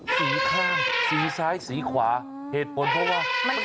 สีข้างสีซ้ายสีขวาเหตุผลเพราะว่า